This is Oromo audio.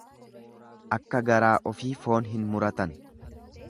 Akka garaa ofii foon hin muratan.